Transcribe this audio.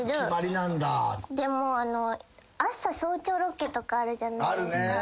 でも早朝ロケとかあるじゃないですか。